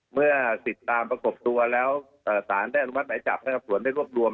เมื่อติดตามประกบตัวแล้วสารได้อนุมัติหมายจับนะครับสวนได้รวบรวม